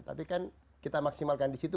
tapi kan kita maksimalkan di situ